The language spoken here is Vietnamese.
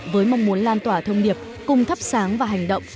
với mong muốn lan tỏa thông điệp cùng thắp sáng và hành động